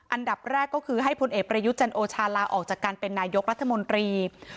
อันดับแรกก็คือให้พลเอกประยุทธ์จันโอชาลาออกจากการเป็นนายกรัฐมนตรี